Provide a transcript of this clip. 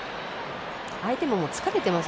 相手も疲れてます。